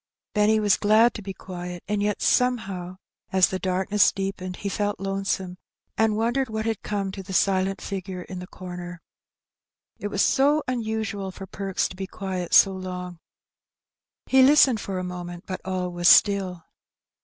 Benny was glad to be quiet; and yet somehow as the Peeks Again. 187 darkness deepened he felt lonesome^ and wondered wliat liad come to the silent figure in the comer. It was so unusual for Perks to be quiet so long. He listened for a moment^ but all was still.